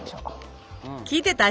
聞いてた？